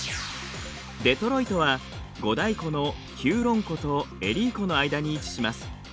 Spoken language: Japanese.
デトロイトは五大湖のヒューロン湖とエリー湖の間に位置します。